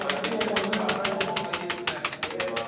もう梅が咲いてる。